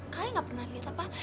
kali nggak pernah lihat apa